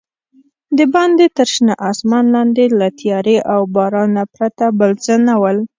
دباندې تر شنه اسمان لاندې له تیارې او بارانه پرته بل څه نه ول.